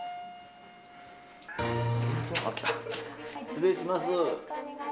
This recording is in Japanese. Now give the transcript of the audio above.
失礼します。